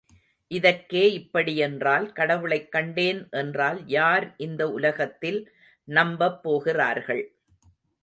இதற்கே இப்படி என்றால் கடவுளைக் கண்டேன் என்றால் யார் இந்த உலகத்தில் நம்பப் போகிறார்கள்.